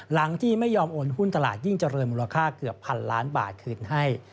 หลังที่ไม่ยอมโอนหุ้นตลาดยิ่งเจริญมูลค่าเกือบพันล้านบาทคืนให้